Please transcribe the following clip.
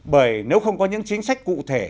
bởi nếu không có những chính sách cụ thể